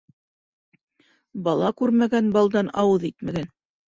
Бала күрмәгән балдан ауыҙ итмәгән.